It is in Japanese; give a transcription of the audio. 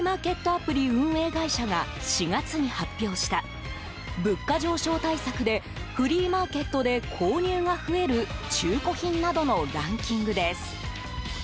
アプリ運営会社が、４月に発表した物価上昇対策でフリーマーケットで購入が増える中古品などのランキングです。